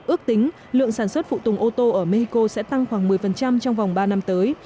ước tính lượng sản xuất phụ tùng ô tô ở mexico sẽ tăng khoảng một mươi trong vòng ba năm tới